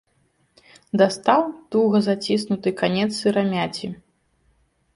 Дастаў туга заціснуты канец сырамяці.